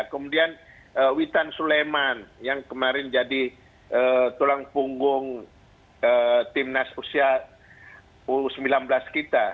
kemudian witan suleman yang kemarin jadi tulang punggung timnas usia u sembilan belas kita